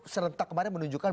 serentak kemarin menunjukkan